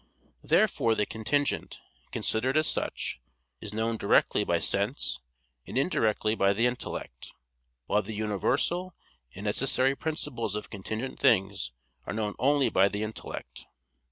Therefore the contingent, considered as such, is known directly by sense and indirectly by the intellect; while the universal and necessary principles of contingent things are known only by the intellect.